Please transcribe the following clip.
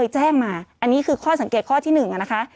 แจ้งมาอันนี้คือข้อสังเกตข้อที่๑นะคะ